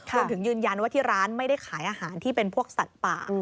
ยืนยันว่าที่ร้านไม่ได้ขายอาหารที่เป็นพวกสัตว์ป่า